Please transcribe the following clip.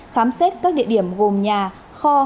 khám xét các địa điểm gồm nhà kho